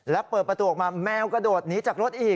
แล้วเปิดประตูออกมาแมวกระโดดหนีจากรถอีก